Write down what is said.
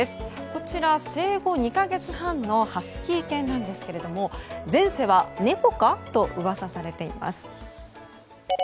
こちら生後２か月半のハスキー犬なんですが前世は猫かと噂されています。